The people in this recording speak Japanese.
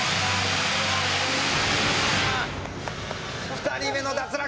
２人目の脱落！